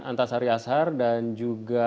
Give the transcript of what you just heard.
antasari ashar dan juga